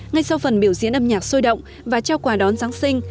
ngay sau phần biểu diễn âm nhạc sôi động và trao quà đón giáng sinh